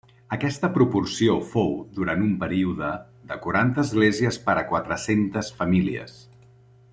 Aquesta proporció fou, durant un període, de quaranta esglésies per a quatre-centes famílies.